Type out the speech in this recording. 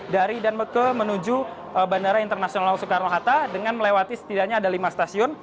dari dan meke menuju bandara internasional soekarno hatta dengan melewati setidaknya ada lima stasiun